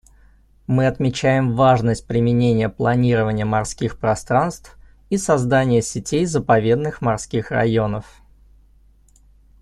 Мы отмечаем важность применения планирования морских пространств и создания сетей заповедных морских районов.